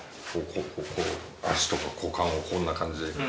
こう、足とか股間をこんな感じで。